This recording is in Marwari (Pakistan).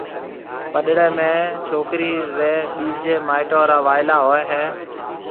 پڏݪيَ ۾ ڇوڪرِي رَي ٻيجيَ مائيٽون را وائلا ھوئيَ ھيََََ